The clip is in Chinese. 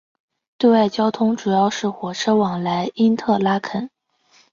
对外交通主要是火车往来因特拉肯。